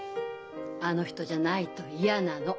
あの人じゃないと嫌なの。